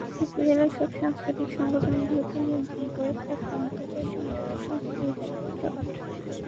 উপজেলার সব সাংস্কৃতিক সংগঠন গুলোকে নিয়ন্ত্রণ করে পাটগ্রাম উপজেলা সম্মিলিত সাংস্কৃতিক জোট।